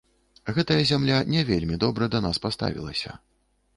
Гэтая зямля не вельмі добра да нас паставілася.